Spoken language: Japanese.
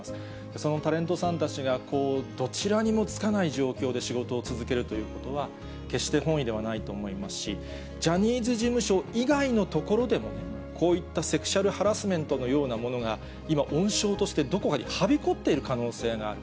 そのタレントさんたちが、どちらにもつかない状態で仕事を続けるということは、決して本意ではないと思いますし、ジャニーズ事務所以外のところでも、こういったセクシャルハラスメントのようなものが今、温床としてどこかにはびこっている可能性がある。